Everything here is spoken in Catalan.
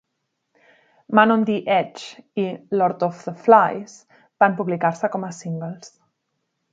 "Man on the Edge" i "Lord of the Flies" van publicar-se com a singles.